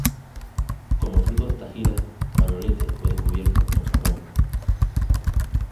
Como fruto de estas giras, Manolete fue descubierto en Japón.